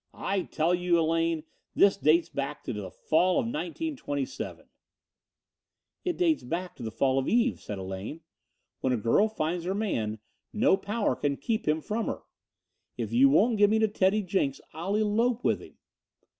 "I tell you, Elaine, this dates back to the fall of 1927." "It dates back to the fall of Eve," said Elaine. "When a girl finds her man, no power can keep him from her. If you won't give me to Teddy Jenks, I'll elope with him."